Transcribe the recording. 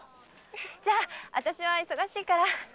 じゃああたしは忙しいから。